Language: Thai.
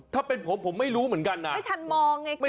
ถ้าเป็นผมผมไม่รู้เหมือนกันนะไม่ทันมองไงคุณ